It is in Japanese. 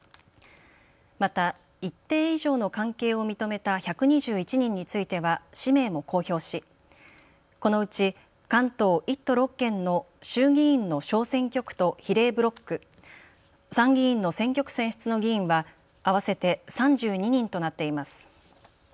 また一定以上の関係を認めた１２１人については氏名も公表しこのうち関東１都６県の衆議院の小選挙区と比例ブロック、参議院の選挙区選出の議員は合わせて３２人となっています。